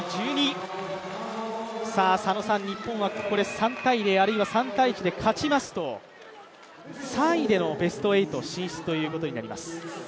佐野さん、日本はここで３−０あるいは３−１で勝ちますと３位でのベスト８進出ということになります。